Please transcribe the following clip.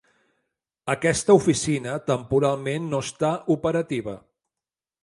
Aquesta oficina temporalment no està operativa.